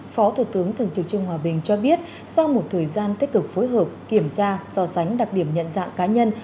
phó thủ tướng thường trực trương hòa bình cho biết sau một thời gian tích cực phối hợp kiểm tra so sánh đặc điểm nhận dạng cá nhân